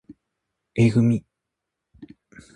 えぐみ